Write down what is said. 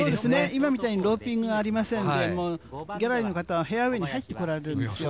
今みたいにローピングがありませんので、ギャラリーの方はフェアウエーに入ってこられるんですよ。